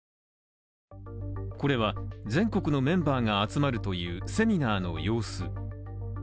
これは全国のメンバーが集まるというセミナーの様子。